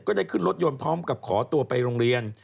ได้ขึ้นรถยนต์พร้อมกับขอตัวไปโรงเรียน